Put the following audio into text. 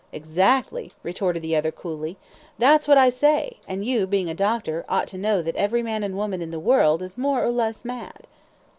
"Exactly," retorted the other coolly, "that's what I say, and you, being a doctor, ought to know that every man and woman in the world is more or less mad."